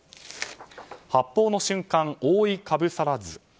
発砲の瞬間覆いかぶさらず。